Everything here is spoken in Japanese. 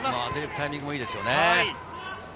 タイミングもいいですよね。